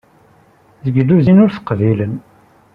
Deg lluzin, ur t-qbilen.